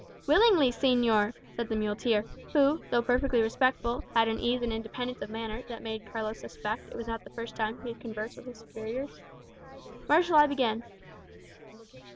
"Willingly, señor," said the muleteer, who, though perfectly respectful, had an ease and independence of manner that made Carlos suspect it was not the first time he had conversed with his superiors. "Where shall I begin?"